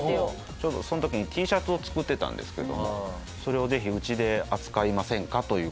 ちょうどその時にＴシャツを作ってたんですけどもそれをぜひうちで扱いませんかという事を言われてですね。